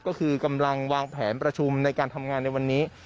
ก็คือกำลังวางแผนประชุมในการทำงานในวันนี้